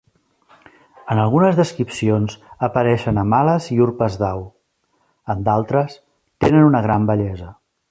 En algunes descripcions apareixen amb ales i urpes d'au, en d'altres tenen una gran bellesa.